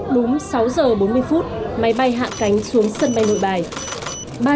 đúng sáu giờ bốn mươi phút máy bay hạ cánh xuống sân bay nội bài